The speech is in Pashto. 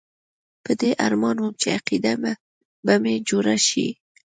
په دې ارمان وم چې عقیده به مې جوړه شي.